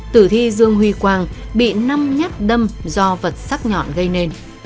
tử thi dương huy quang bị năm nhát đâm do vật sắc nhọn gây nên